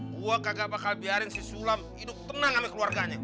gue kagak bakal biarin si sulam hidup tenang sama keluarganya